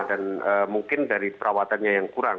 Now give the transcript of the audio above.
dan mungkin dari perawatannya yang kurang